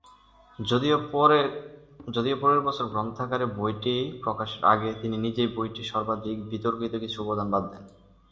যদিও পরের বছর গ্রন্থাকারে বইটি প্রকাশের আগে তিনি নিজেই বইটির সর্বাধিক বিতর্কিত কিছু উপাদান বাদ দেন।